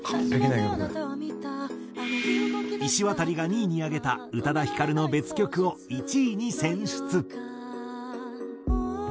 いしわたりが２位に挙げた宇多田ヒカルの別曲を１位に選出。